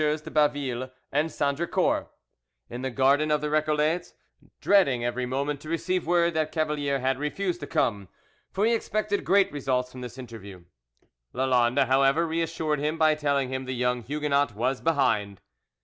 de Baville and Sandricourt, in the garden of the Recollets, dreading every moment to receive word that Cavalier had refused to come; for he expected great results from this interview. Lalande, however, reassured him by telling him the young Huguenot was behind.